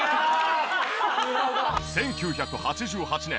１９８８年